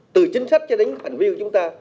từ chính sách cho đến hành vi của chúng ta